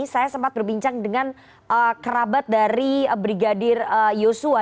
saya sempat berbincang dengan kerabat dari brigadir yosua